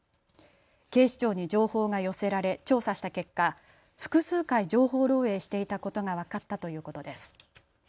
警視庁に情報が寄せられ調査した結果、複数回、情報漏えいしていたことが分かったということです。